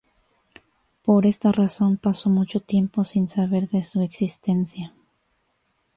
Por esta razón pasó mucho tiempo sin saber de su existencia.